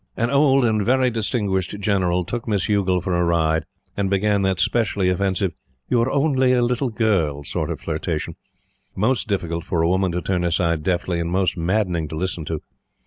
An old and very distinguished General took Miss Youghal for a ride, and began that specially offensive "you're only a little girl" sort of flirtation most difficult for a woman to turn aside deftly, and most maddening to listen to.